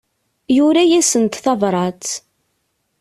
Yura-asent tabrat.